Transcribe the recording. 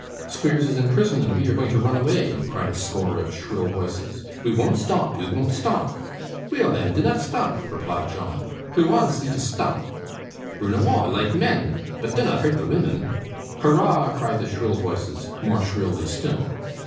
'Squeers is in prison, and we are going to run away!' cried a score of shrill voices. 'We won't stop, we won't stop!' 'Weel then, dinnot stop,' replied John; 'who waants thee to stop? Roon awa' loike men, but dinnot hurt the women.' 'Hurrah!' cried the shrill voices, more shrilly still.